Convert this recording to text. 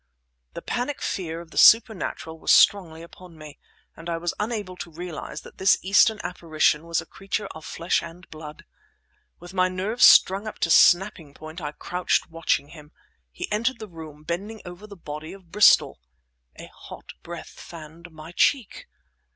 The panic fear of the supernatural was strongly upon me, and I was unable to realize that this Eastern apparition was a creature of flesh and blood. With my nerves strung up to snapping point, I crouched watching him. He entered the room, bending over the body of Bristol. A hot breath fanned my cheek!